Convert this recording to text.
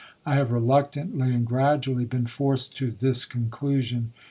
I have reluctantly and gradually been forced to this con clusion.